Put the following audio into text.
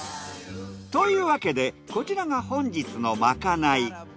というわけでこちらが本日のまかない。